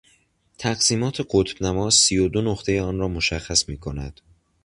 تقسیمات قطبنما، سی و دو نقطهی آن را مشخص میکند.